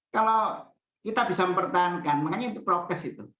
kalau kita bisa mempertahankan makanya itu prokes itu